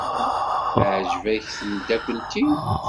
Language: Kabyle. Teɛjeb-ak tmeddakelt-iw?